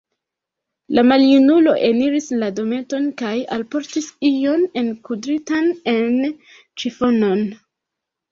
La maljunulo eniris la dometon kaj alportis ion enkudritan en ĉifonon.